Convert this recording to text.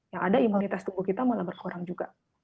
yang ada imunitas tubuh kita malah berkurang juga